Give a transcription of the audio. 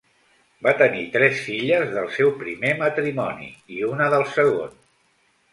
Va tenir tres filles del seu primer matrimoni i una del segon.